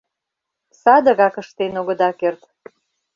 — Садыгак ыштен огыда керт.